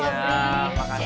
selamat ya makasih